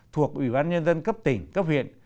thuộc ủy ban nhân dân cấp tỉnh cấp huyện